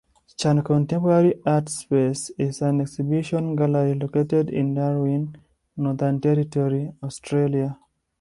Chan Contemporary Artspace is an exhibition gallery located in Darwin, Northern Territory, Australia.